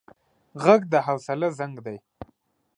غږ د حوصله زنګ دی